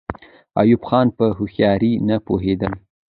ایوب خان په هوښیارۍ نه پوهېدل.